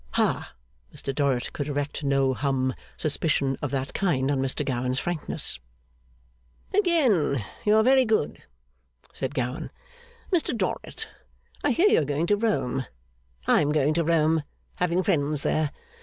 Ha! Mr Dorrit could erect no hum suspicion of that kind on Mr Gowan's frankness. 'Again you are very good,' said Gowan. 'Mr Dorrit, I hear you are going to Rome. I am going to Rome, having friends there.